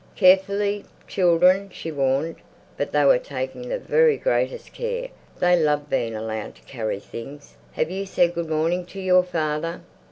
"Carefully, children," she warned. But they were taking the very greatest care. They loved being allowed to carry things. "Have you said good morning to your father?"